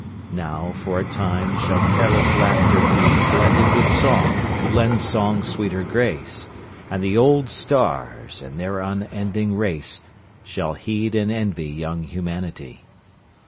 Now, for a time, shall careless laughter be Blended with song, to lend song sweeter grace, And the old stars, in their unending race, Shall heed and envy young humanity.